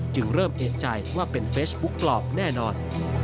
จึงเริ่มเห็นใจว่าเป็นเฟสบุ๊คกรอบแน่นอน